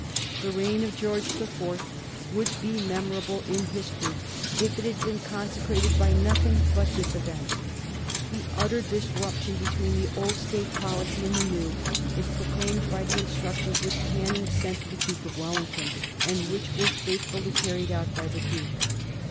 The reign of George the Fourth would be memorable in history if it had been consecrated by nothing but this event. The utter disruption between the old state policy and the new was proclaimed by the instructions which Canning sent to the Duke of Wellington, and which were faithfully carried out by the Duke.